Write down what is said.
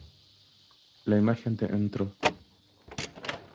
La imagen de Ntro.